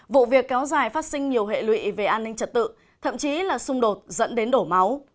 vụ việc kéo dài phát sinh nhiều hệ lụy về an ninh trật tự thậm chí là xung đột dẫn đến đổ máu